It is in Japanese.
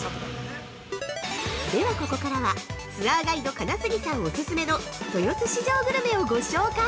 ではここからは、ツアーガイド金杉さんオススメの豊洲市場グルメをご紹介！